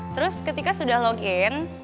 terus ketika sudah login